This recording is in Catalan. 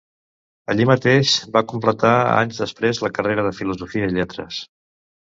Allí mateix va completar anys després la carrera de Filosofia i Lletres.